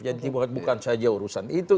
jadi bukan saja urusan itu